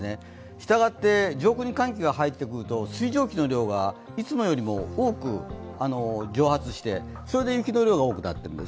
したがって上空に寒気が入ってくると、水蒸気の量がいつもよりも多く蒸発してそれで雪の量が多くなっているんです。